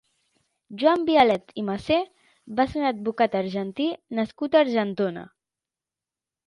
Joan Bialet i Massé va ser un advocat argentí nascut a Argentona.